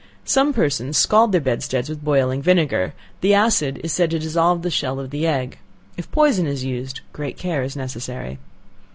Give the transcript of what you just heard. Some persons scald their bedsteads with boiling vinegar; the acid is said to dissolve the shell of the egg. If poison is used, great care is necessary.